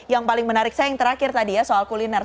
yang paling menarik saya yang terakhir tadi ya soal kuliner